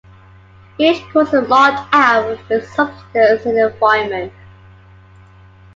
Each course is marked out with a substance in the environment.